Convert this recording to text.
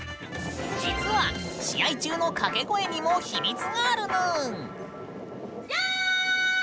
実は試合中のかけ声にも秘密があるぬん！